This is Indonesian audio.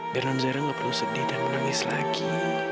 beban nonzahira gak perlu sedih dan menangis lagi